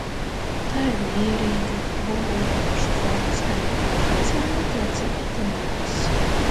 Tā ir mierīga, burbuļojoša fona skaņa, kas man netraucē itin nemaz.